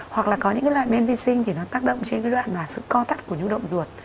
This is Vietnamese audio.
hoặc là có những cái loại men vi sinh thì nó tác động trên cái đoạn mà sự co thắt của nhu động ruột